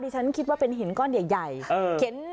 ที่ฉันคิดว่าเป็นเห็นก้อนใหญ่เออเข็นหนึ่ง